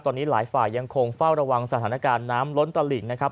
ตอนนี้หลายฝ่ายยังคงเฝ้าระวังสถานการณ์น้ำล้นตลิ่งนะครับ